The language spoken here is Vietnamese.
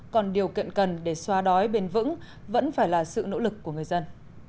còn điều kiện cần để xoa đói bền vững vẫn phải là sự nỗ lực của người dân